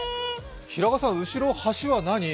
平賀さん、後ろの橋は何？